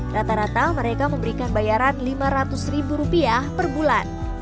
rata rata mereka memberikan bayaran lima ratus ribu rupiah per bulan